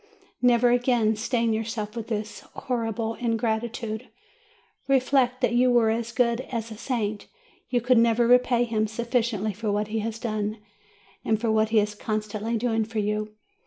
Never again stain yourself with this horrible ingratitude ! Reflect, that were you as good as a saint, you could never repay him sufficiently for what he has done and for what he is constantly doing for you.